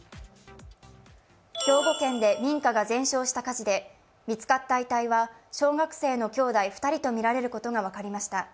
兵庫県で民家が全焼した火事で見つかった遺体は小学生の兄弟２人とみられることが分かりました。